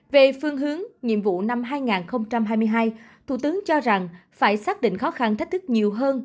về phương hướng nhiệm vụ năm hai nghìn hai mươi hai thủ tướng cho rằng phải xác định khó khăn thách thức nhiều hơn